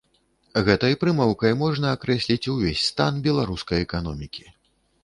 Гэтай прымаўкай можна акрэсліць увесь стан беларускай эканомікі.